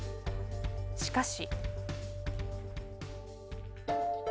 しかし。